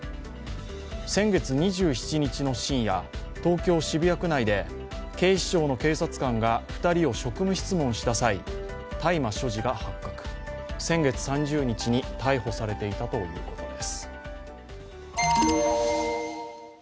先月２７日の深夜、東京・渋谷区内で警視庁の警察官が２人を職務質問した際、大麻所持が発覚、先月３０日に逮捕されていたということです。